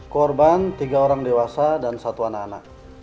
korban tiga orang dewasa dan satu anak anak